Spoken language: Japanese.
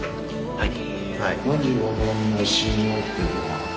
はい。